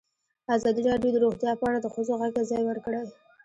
ازادي راډیو د روغتیا په اړه د ښځو غږ ته ځای ورکړی.